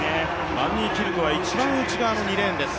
バンニーキルクは一番内側の２レーンです。